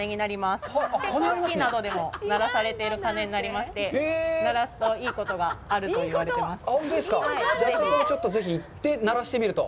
結婚式などでも鳴らされている鐘になりまして鳴らすといいことがあると言われています。